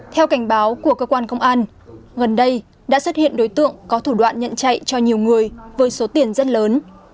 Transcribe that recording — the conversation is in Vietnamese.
theo cảnh báo của cơ quan công an gần đây đã xuất hiện đối tượng có thủ đoạn nhận chạy cho nhiều người với số tiền rất lớn